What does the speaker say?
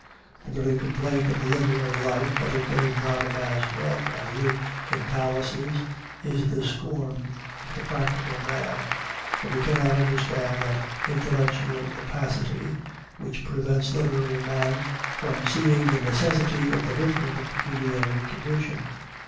The very complaint of the literary life that it does not amass wealth and live in palaces is the scorn of the practical man, for he cannot understand that intellectual opacity which prevents the literary man from seeing the necessity of the different pecuniary condition.